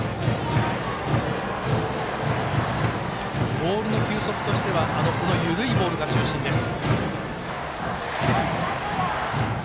ボールの球速としては緩いボールが中心です。